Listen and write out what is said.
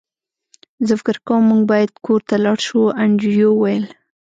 زه فکر کوم موږ باید کور ته لاړ شو انډریو وویل